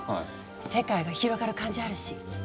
世界が広がる感じあるし。